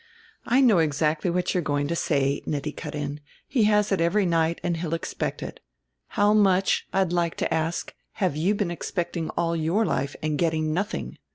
"I know exactly what you're going to say," Nettie cut in, "he has it every night and he'll expect it. How much, I'd like to ask, have you been expecting all your life and getting nothing?